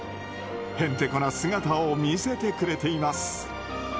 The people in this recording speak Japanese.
へんてこな姿を見せてくれています。